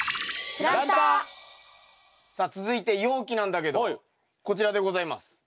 さあ続いて容器なんだけどこちらでございます。